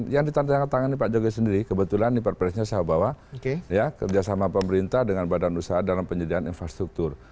yang ditandatangani pak jokowi sendiri kebetulan ini perpresnya sahabat kerjasama pemerintah dengan badan usaha dalam penyediaan infrastruktur